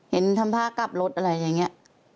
เห็นทำท่ากลับรถอะไรอย่างนี้